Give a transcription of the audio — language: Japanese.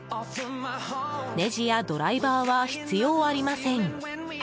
ネジやドライバーは必要ありません。